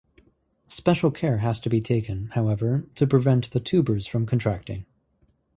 Special care has to be taken, however, to prevent the tubers from contracting.